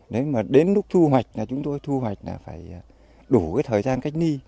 đấy mà đến lúc thu hoạch là chúng tôi thu hoạch là phải đủ cái thời gian cách ly